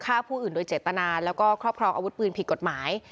ฆ่าผู้อื่นโดยเจตนาแล้วก็ครอบครองอาวุธปืนผิดกฎหมาย